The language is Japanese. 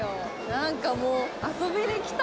何かもう。